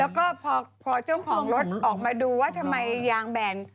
แล้วก็พอเจ้าของรถออกมาดูว่าทำไมยางแบน